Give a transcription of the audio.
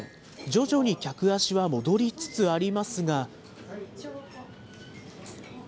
徐々に客足は戻りつつありますが。